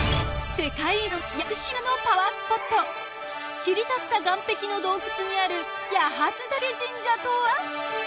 世界遺産屋久島のパワースポット切り立った岸壁の洞窟にある「矢筈嶽神社」とは？